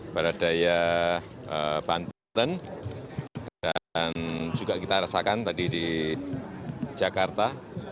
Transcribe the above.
barat daya banten dan juga kita rasakan tadi di jakarta